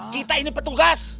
kita ini petugas